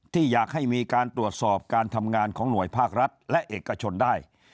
ที่อยากให้มีการตรวจสอบการทำงานของหน่วยภาครัฐและเอกชนได้